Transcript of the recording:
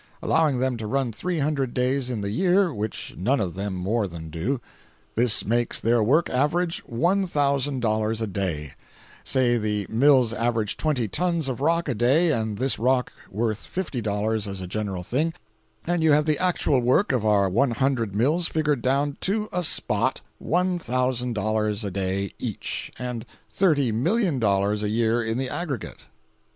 Allowing them to run three hundred days in the year (which none of them more than do), this makes their work average $1,000 a day. Say the mills average twenty tons of rock a day and this rock worth $50 as a general thing, and you have the actual work of our one hundred mills figured down "to a spot"—$1,000 a day each, and $30,000,000 a year in the aggregate.